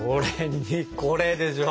これでしょ。